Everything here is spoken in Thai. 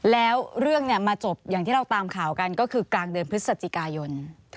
แล้วเรื่องมาจบอย่างที่เราตามข่าวกันก็คือกลางเดือนพฤศจิกายน